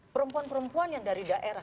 perempuan perempuan yang dari daerah